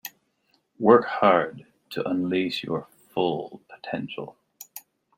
Work hard to unleash your full potential.